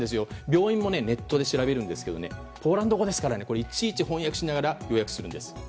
病院もネットで調べるんですけどポーランド語ですからいちいち翻訳しながら予約するんです。